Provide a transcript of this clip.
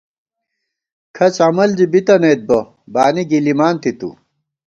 کھڅ عمل زی بِتَنَئیت بہ، بانی گِلِمانتی تُو